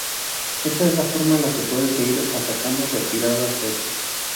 Esa es la forma en que puedes seguir atacando reiteradas veces.